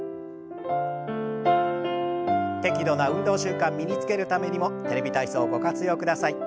適度な運動習慣身につけるためにも「テレビ体操」ご活用ください。